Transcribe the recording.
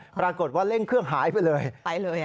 ปรากฏว่าเล่นเครื่องก็หายไปเลย